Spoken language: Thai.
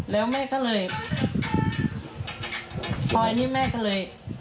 แล้วแม่ก็เลย